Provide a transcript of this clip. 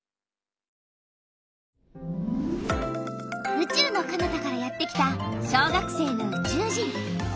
うちゅうのかなたからやってきた小学生のうちゅう人！